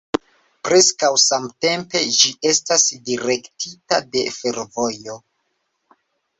Preskaŭ samtempe ĝi estas direktita de fervojo.